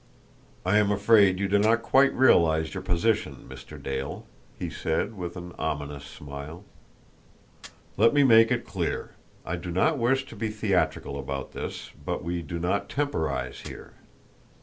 "I am afraid you do not quite realise your position, Mr. Dale," he said, with an ominous smile. "Let me make it clear. I do not wish to be theatrical about this, but we do not temporise here.